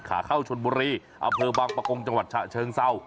ขาเข้าชนบุรีอำเภอบางประกงจังหวัดฉะเชิงเศร้า